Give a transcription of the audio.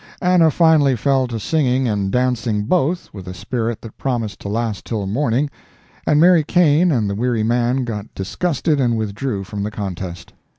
Anna finally fell to singing and dancing both, with a spirit that promised to last till morning, and Mary Kane and the weary man got disgusted and withdrew from the contest.